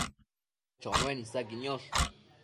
Chonuen isaqui niosh